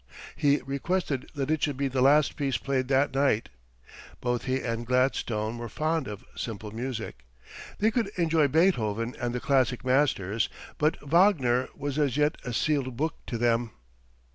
He requested that it should be the last piece played that night. Both he and Gladstone were fond of simple music. They could enjoy Beethoven and the classic masters, but Wagner was as yet a sealed book to them.